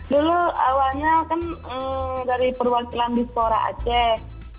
dulu awalnya kan dari perwakilan di stora aceh